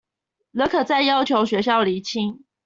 仍可再要求學校釐清